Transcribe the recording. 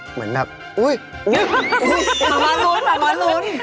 ซึ่งเราก็ยังอย่างนู้สึกผ่อนลุ้น